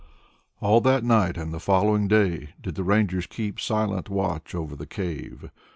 All that night and the following day did the Rangers keep silent watch over the cave.